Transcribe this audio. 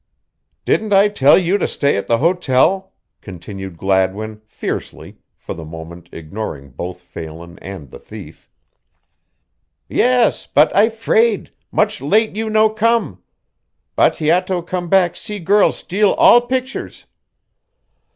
"Didn't I tell you to stay at the hotel?" continued Gladwin, fiercely, for the moment ignoring both Phelan and the thief. "Yes, but I 'fraid much late you no come. Bateato come back see girl steal all pictures!"